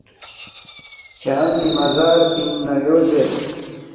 کھیان٘ی مزار پِنگ نہ یو زیر